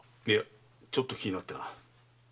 いやちょっと気になってな。